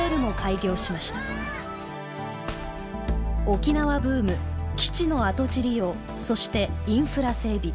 沖縄ブーム基地の跡地利用そしてインフラ整備。